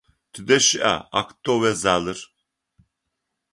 Тыдэ щыӏа актовэ залыр?